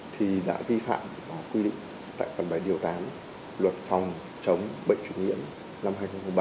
thì đã vi phạm quy định tại phần bài điều tám luật phòng chống bệnh chuyển nhiễm năm hai nghìn một mươi bảy